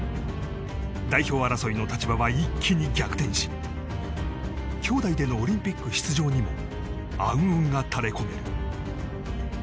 代表争いの立場は一気に逆転し兄妹でのオリンピック出場にも暗雲が垂れ込める。